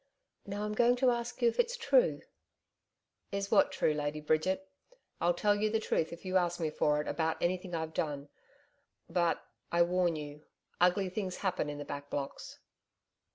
Now, I'm going to ask you if it's true.' 'If what is true? Lady Bridget, I'll tell you the truth if you ask me for it, about anything I've done. But I warn you ugly things happen in the Back Blocks.'